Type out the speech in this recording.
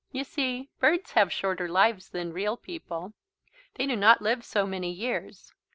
You see birds have shorter lives than real people. They do not live so many years.